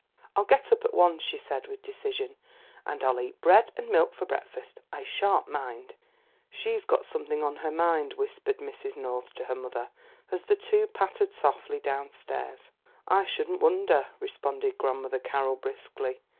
"I'll get up at once," she said with decision, "and I'll eat bread and milk for breakfast; I sha'n't mind." "She's got something on her mind," whispered Mrs. North to her mother, as the two pattered softly downstairs. "I shouldn't wonder," responded Grandmother Carroll briskly.